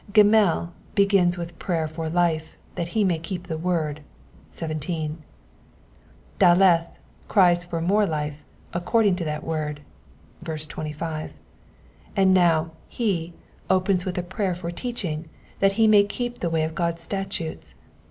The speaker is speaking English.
Gimel begins with prayer for life, that he may keep the word (17) ; Daleth cries for more life, ac cording to that word (25) ; and now He opens with a prayer for teaching, that he may keep the way of God's statutes.